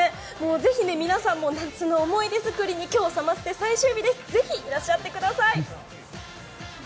ぜひ皆さんも夏の思い出作りに今日、サマステ最終日ぜひ、いらっしゃってください。